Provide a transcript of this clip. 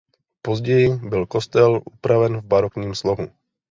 Později byl kostel upraven v barokním slohu.